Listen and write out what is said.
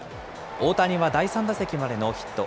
大谷は第３打席までノーヒット。